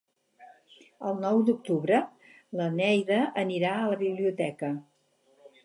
El nou d'octubre na Neida anirà a la biblioteca.